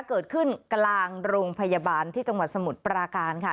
เกิดขึ้นกลางโรงพยาบาลที่จังหวัดสมุทรปราการค่ะ